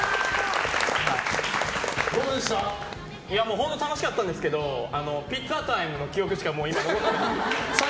本当楽しかったんですけどピッザタイムの記憶しか今もう残ってないです。